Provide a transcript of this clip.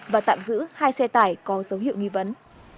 và tạm giữ hai xe tải có dấu hiệu nghi vấn